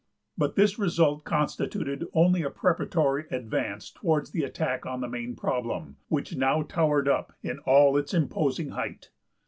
But this result constituted only a preparatory advance towards the attack on the main problem, which now towered up in all its imposing height.